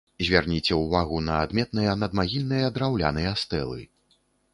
Звярніце ўвагу на адметныя надмагільныя драўляныя стэлы.